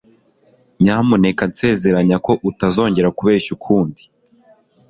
Nyamuneka nsezeranya ko utazongera kubeshya ukundi.